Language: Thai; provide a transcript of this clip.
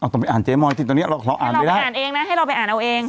ต้องไปอ่านเจ๊มอยสิตอนนี้เราอ่านไม่ได้อ่านเองนะให้เราไปอ่านเอาเอง